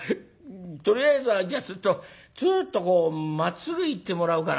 とりあえずはじゃツーッとツーッとこうまっすぐ行ってもらおうかな」。